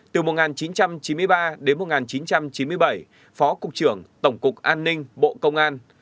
từ một nghìn chín trăm chín mươi ba đến một nghìn chín trăm chín mươi bảy phó cục trưởng tổng cục an ninh bộ công an